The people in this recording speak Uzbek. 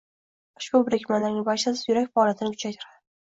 Ushbu birikmalarning barchasi yurak faoliyatini kuchaytiradi.